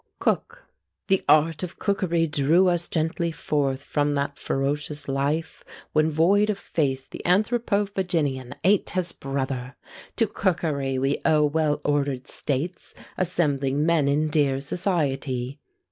COOK. "The art of cookery drew us gently forth From that ferocious life, when void of faith The Anthropophaginian ate his brother! To cookery we owe well ordered states, Assembling men in dear society.